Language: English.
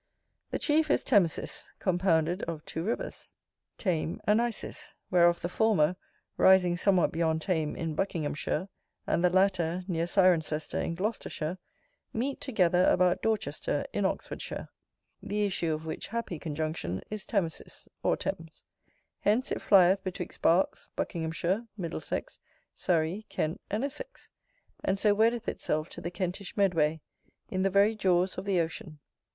The chief is THAMISIS, compounded of two rivers, Thame and Isis; whereof the former, rising somewhat beyond Thame in Buckinghamshire, and the latter near Cirencester in Gloucestershire, meet together about Dorchester in Oxfordshire; the issue of which happy conjunction is Thamisis, or Thames; hence it flieth betwixt Berks, Buckinghamshire, Middlesex, Surrey, Kent and Essex: and so weddeth itself to the Kentish Medway, in the very jaws of the ocean.